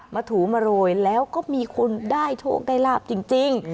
ถูมาโรยแล้วก็มีคนได้โชคได้ลาบจริง